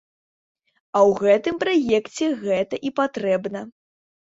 А ў гэтым праекце гэта і патрэбна.